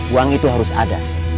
uang itu harus ada